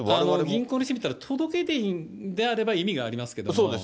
銀行にして見たら届出印であれば意味がありますけれども。